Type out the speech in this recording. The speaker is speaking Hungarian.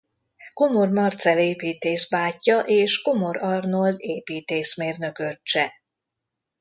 Komor Marcell építész bátyja és Komor Arnold építészmérnök öccse.